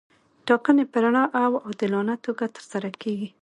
ټاکنې په رڼه او عادلانه توګه ترسره کیږي.